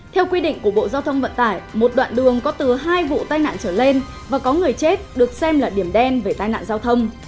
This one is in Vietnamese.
theo quy định của bộ giao thông vận tải một đoạn đường có từ hai vụ tai nạn trở lên và có người chết được xem là điểm đen về tai nạn giao thông